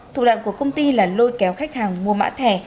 thủ đoạn của công ty là lôi kéo khách hàng mua mã thẻ